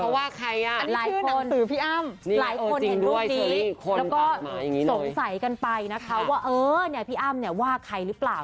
ว่าพี่อำเนี้ยว่าใครรึเปล่า